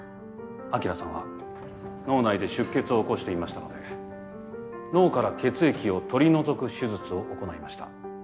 晶さんは脳内で出血を起こしていましたので脳から血液を取り除く手術を行いました。